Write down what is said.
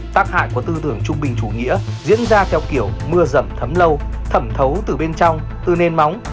tác hại của tư tưởng trung bình chủ nghĩa diễn ra theo kiểu mưa rầm thấm lâu thẩm thấu từ bên trong từ nền móng